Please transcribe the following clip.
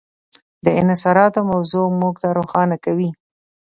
د انحصاراتو موضوع موږ ته روښانه کوي.